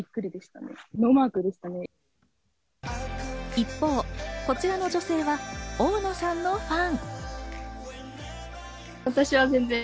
一方、こちらの女性は大野さんのファン。